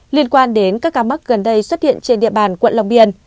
liên quan đến các ca mắc gần đây xuất hiện trên địa bàn quận long biên